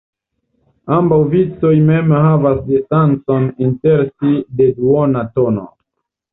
Ambaŭ vicoj mem havas distancon inter si de duona tono.